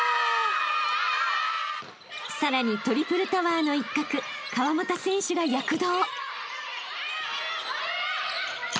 ［さらにトリプルタワーの一角河俣選手が躍動］